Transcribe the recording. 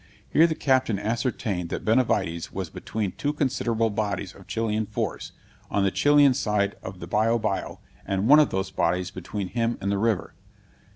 Here the Captain ascertained that Benavides was between two considerable bodies of Chilian force, on the Chilian side of the Biobio, and one of those bodies between him and the river.